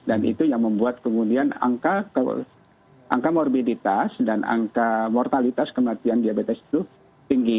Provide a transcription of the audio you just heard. dan itu yang membuat kemudian angka morbiditas dan angka mortalitas kematian diabetes itu tinggi